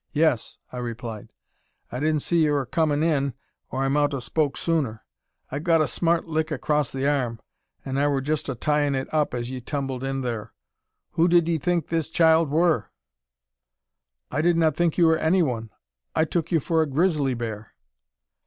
"Yes," I replied. "I didn't see yur a comin' in, or I mout 'a spoke sooner. I've got a smart lick across the arm, an' I wur just a tyin' it up as ye tumbled in thur. Who did 'ee think this child wur?" "I did not think you were anyone. I took you for a grizzly bear."